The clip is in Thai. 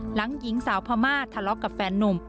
หญิงสาวพม่าทะเลาะกับแฟนนุ่ม